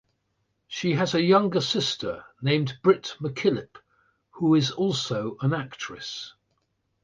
She has a younger sister named Britt McKillip, who is also an actress.